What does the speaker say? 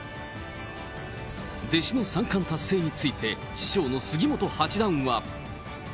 弟子の三冠達成について、師匠の杉本八段は。